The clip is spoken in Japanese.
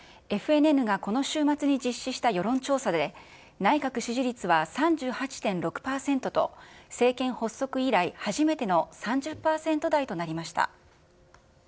ＦＮＮがこの週末に実施した世論調査で、内閣支持率は３８．６％と、政権発足以来、初めての３０％台となりました。